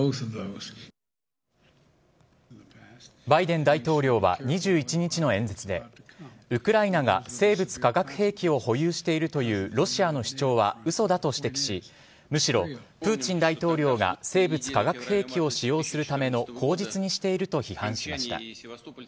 バイデン大統領は２１日の演説で、ウクライナが生物化学兵器を保有しているというロシアの主張はうそだと指摘し、むしろプーチン大統領が生物化学兵器を使用するための口実にしていると批判しました。